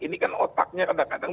ini kan otaknya kadang kadang